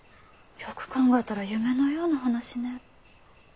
よく考えたら夢のような話ね。